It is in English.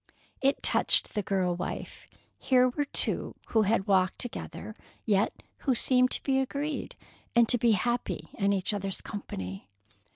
It touched the girl wife. Here were two who had walked together, yet who seemed to be agreed, and to be happy in each other's company.